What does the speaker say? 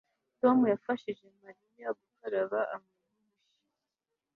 Tom yafashije Mariya gukaraba amadirishya